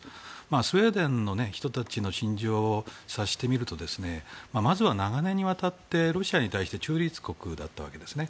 スウェーデンの人たちの心情を察してみるとまずは長年にわたってロシアに対して中立国だったわけですね。